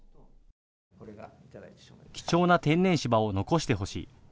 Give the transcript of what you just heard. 貴重な天然芝を残してほしい。